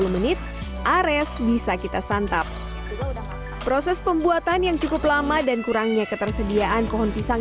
menit ares bisa kita santap proses pembuatan yang cukup lama dan kurangnya ketersediaan pohon pisang